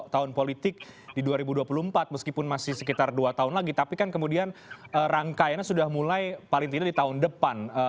tahun politik di dua ribu dua puluh empat meskipun masih sekitar dua tahun lagi tapi kan kemudian rangkaiannya sudah mulai paling tidak di tahun depan